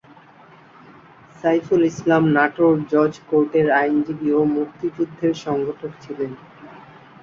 সাইফুল ইসলাম নাটোর জজ কোর্টের আইনজীবী ও মুক্তিযুদ্ধের সংগঠক ছিলেন।